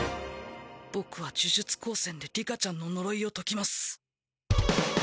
僕は呪術高専で里香ちゃんの呪いを解きます。